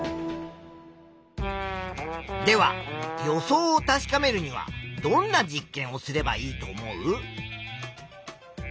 では予想を確かめるにはどんな実験をすればいいと思う？